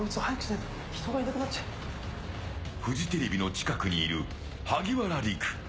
フジテレビの近くにいる萩原利久。